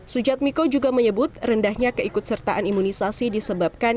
sujad miko juga menyebut rendahnya keikutsertaan imunisasi disebabkan